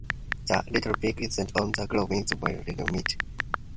The little pig is set on the ground where two paths meet.